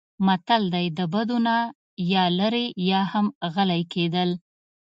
متل دی: د بدو نه یا لرې یا هم غلی کېدل.